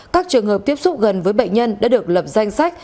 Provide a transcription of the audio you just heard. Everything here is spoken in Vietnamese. các trường hợp tiếp xúc gần với bệnh nhân đã được lập danh sách